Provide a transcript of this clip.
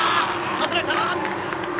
外れた！